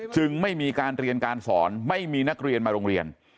ไม่มีการเรียนการสอนไม่มีนักเรียนมาโรงเรียน